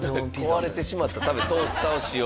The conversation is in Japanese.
「壊れてしまったためトースターを使用」